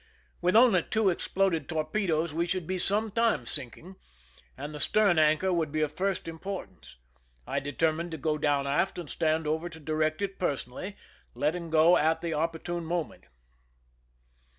With only two exploded torpedoes we should be some time sink ing, and the stern anchor wonld be of first impor tance. I determined to go down aft and stand over to direct it personally, letting go at the oppor tune moment.